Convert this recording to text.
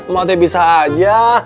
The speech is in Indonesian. mau te bisa aja